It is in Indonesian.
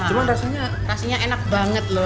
cuma rasanya rasanya enak banget loh